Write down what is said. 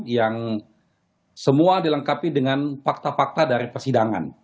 yang semua dilengkapi dengan fakta fakta dari persidangan